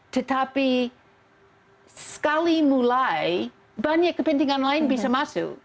tetapi sekali mulai banyak kepentingan lain bisa masuk